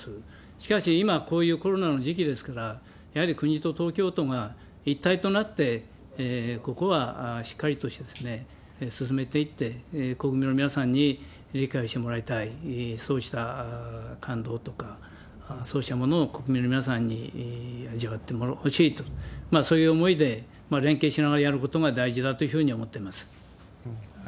しかし今、こういうコロナの時期ですから、やはり国と東京都が一体となって、ここはしっかりと進めていって、国民の皆さんに理解をしてもらいたい、そうした感動とか、そうしたものを国民の皆さんに味わってほしいと、そういう思いで連携しながらやることが大事だというふうに思ってます。